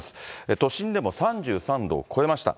都心でも３３度を超えました。